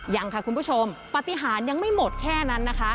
ยังค่ะคุณผู้ชมปฏิหารยังไม่หมดแค่นั้นนะคะ